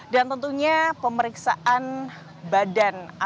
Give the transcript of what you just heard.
dan tentunya pemeriksaan badan